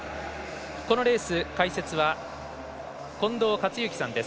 このレース、解説は近藤克之さんです。